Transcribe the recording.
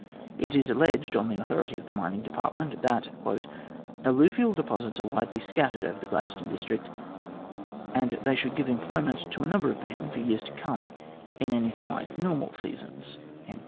It is alleged, on the authority of the Mining Department, that "alluvial deposits are widely scattered over the Gladstone district, and they should give employment to a number of men for years to come in anything like normal seasons."